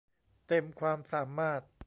เต็มความสามารถ